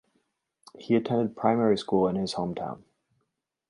He attended primary school in his hometown.